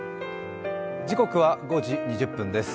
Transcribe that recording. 時刻は５時２０分です。